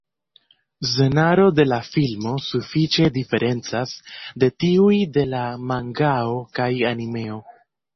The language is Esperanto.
Scenaro de la filmo sufiĉe diferencas de tiuj de la mangao kaj animeo.